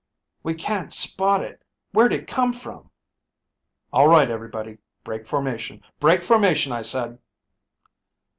"We can't spot it. Where'd it come from?" "All right, everybody. Break formation. Break formation, I said!"